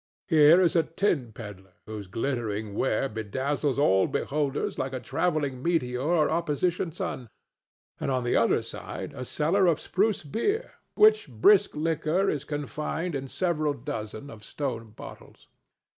Here is a tin pedler whose glittering ware bedazzles all beholders like a travelling meteor or opposition sun, and on the other side a seller of spruce beer, which brisk liquor is confined in several dozen of stone bottles.